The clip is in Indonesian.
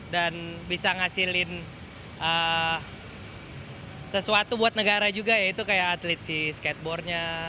dan bisa ngasilin sesuatu buat negara juga yaitu kayak atlet si skateboardnya